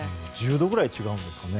１０度ぐらい違うんですね。